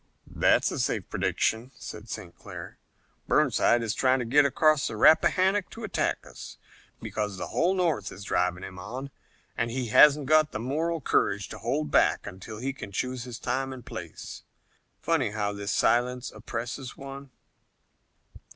"That's a safe prediction," said St. Clair. "Burnside is trying to get across the Rappahannock to attack us, because the whole North is driving him on, and he hasn't got the moral courage to hold back until he can choose his time and place. Funny how this silence oppresses one."